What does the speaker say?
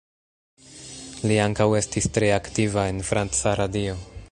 Li ankaŭ estis tre aktiva en franca radio.